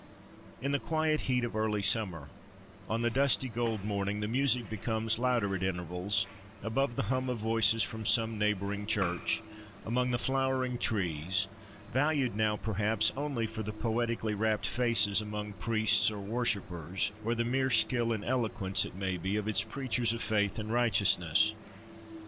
In the quiet heat of early summer, on the dusty gold morning, the music comes, louder at intervals, above the hum of voices from some neighbouring church, among the flowering trees, valued now, perhaps, only for the poetically rapt faces among priests or worshippers, or the mere skill and eloquence, it may be, of its preachers of faith and righteousness.